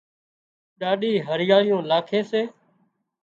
ڏاڏِي هريئاۯيون لاکي سي